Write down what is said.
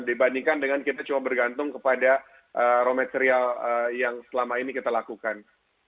dibandingkan dengan kita cuma bergantung kepada raw material yang selama ini kita lakukan